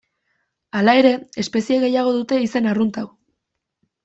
Hala ere, espezie gehiagok dute izen arrunt hau.